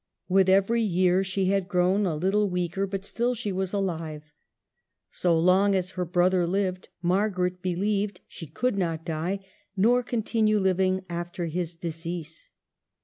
With every year she had grown a little weaker, but still she was alive. So long as her brother lived, Margaret believed she could not die, nor continue living after his decease.